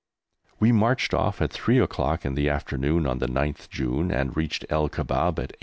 We marched off at 3 o'clock on the afternoon of the 9th June, and reached El Kubab at 8.